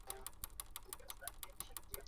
毛叶杯锥为壳斗科锥属下的一个种。